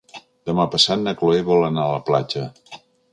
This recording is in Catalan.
Demà passat na Chloé vol anar a la platja.